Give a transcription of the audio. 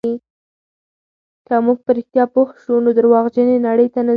که موږ په رښتیا پوه شو، نو درواغجنې نړۍ ته نه ځو.